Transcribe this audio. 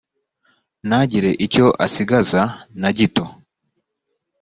ntagire icyo asigaza na gito: